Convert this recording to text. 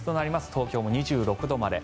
東京も２６度まで。